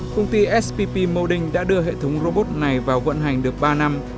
công ty spp moding đã đưa hệ thống robot này vào vận hành được ba năm